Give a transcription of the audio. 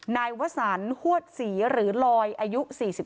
นายวสันฮวดศรีหรือลอยอายุ๔๓